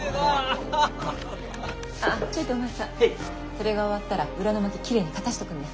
それが終わったら裏のまききれいに片しておくんねえ。